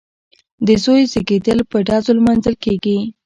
د زوی زیږیدل په ډزو لمانځل کیږي.